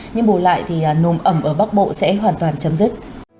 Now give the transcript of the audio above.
nhưng bù lại thì nồm ẩm ở bắc bộ sẽ hoàn toàn chấm dứt